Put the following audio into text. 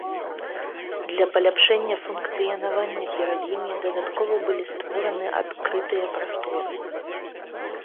Для паляпшэння функцыянавання перад імі дадаткова былі створаны адкрытыя прасторы.